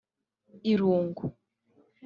irungu